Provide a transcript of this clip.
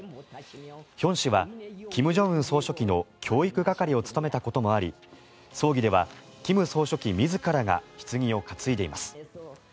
ヒョン氏は、金正恩総書記の教育係を務めたこともあり葬儀では金総書記自らがひつぎを担いでいます。